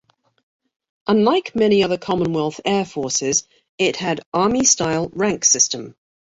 Unlike many other Commonwealth air forces, it had army style rank system.